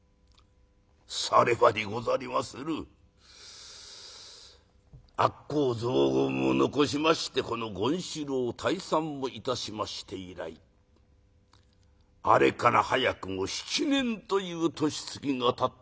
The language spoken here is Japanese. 「さればにござりまする悪口雑言を残しましてこの権四郎退散をいたしまして以来あれから早くも７年という年月がたってござりまする。